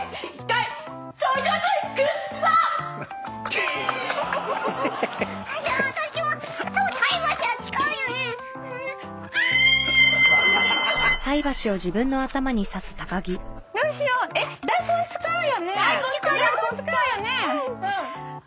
これどうしよう！